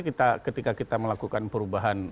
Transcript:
ketika kita melakukan perubahan